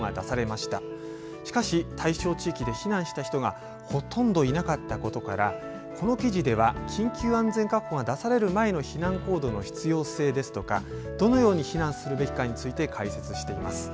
しかし、対象地域で避難した人がほとんどいなかったことからこの記事では緊急安全確保が出される前の避難行動の必要性ですとか、どのように避難するべきかについて解説しています。